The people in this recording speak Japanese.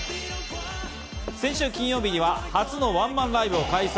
先週金曜日には初のワンマンライブを開催。